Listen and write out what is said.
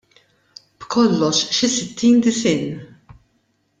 B'kollox, xi sittin disinn!